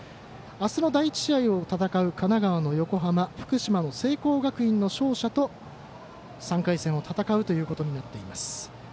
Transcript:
明日の第１試合を戦う神奈川の横浜福島の聖光学院の勝者と３回戦を戦うということになっています。